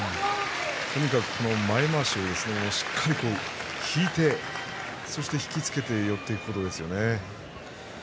前まわしをしっかりと引いて引き付けて寄っていくことですよね。